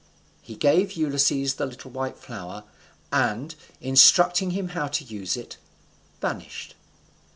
He gave Ulysses the little white flower, and, instructing him how to use it, vanished.